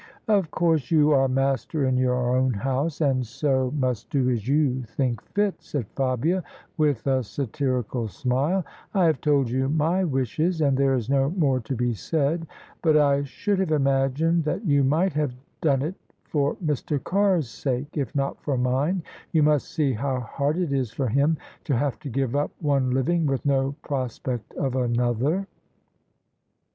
" Of course you are master in your own house^ and so OF ISABEL CARNABY must do as you think fit/' said Fabia, with a satirical smile. "I have told you my wishes, and there is no more to be said. But I should have imagined that you might have done it for Mr. Carr's sake, if not for mine: you must see how hard it is for him to have to give up one living with no prospect of another."